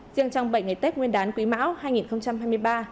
riêng trong bảy ngày tết nguyên đán quý mão hai nghìn hai mươi ba